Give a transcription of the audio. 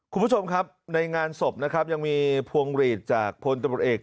คุณผู้ชมครับในงานศพนะครับยังมีพวงหลีดจากพลตำรวจเอก